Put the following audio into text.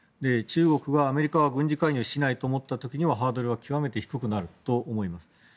中国はアメリカは軍事介入をしないと思った時にはハードルは極めて低くなると思います。